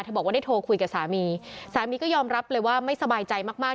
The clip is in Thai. บอกว่าได้โทรคุยกับสามีสามีก็ยอมรับเลยว่าไม่สบายใจมากมาก